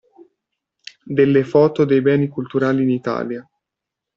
Delle foto dei beni culturali in Italia.